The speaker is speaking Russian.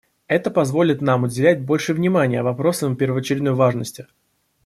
Это позволит нам уделять больше внимания вопросам первоочередной важности.